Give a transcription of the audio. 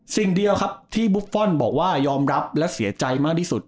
สิ่งเดียวครับที่บุฟฟอลบอกว่ายอมรับและเสียใจมากที่สุด